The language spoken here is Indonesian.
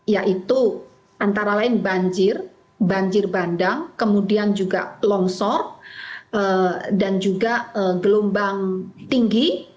yaitu antara lain banjir banjir bandang kemudian juga longsor dan juga gelombang tinggi